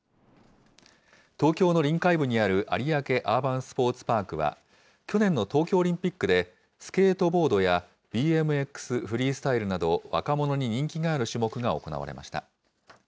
東京の臨海部にある有明アーバンスポーツパークは、去年の東京オリンピックで、スケートボードやＢＭＸフリースタイルなど、若者に人気がある種目が行われました。